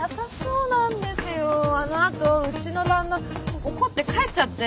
あの後うちの旦那怒って帰っちゃって。